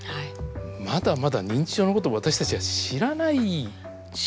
まだまだ認知症のことを私たちは知らないですね。